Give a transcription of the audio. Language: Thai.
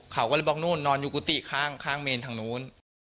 เขาก็เลยบอกนู่นนอนอยู่กุฏิข้างเมนทางนู้น